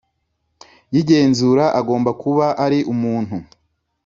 Y igenzura agomba kuba ari umuntu